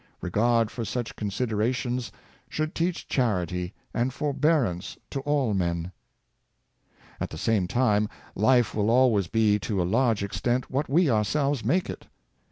Regard for such considerations should teach charity and for bearance to all men. 630 Duty the Aim and End of Life. At the same time, life will always be to a large ex tent what we ourselves make it.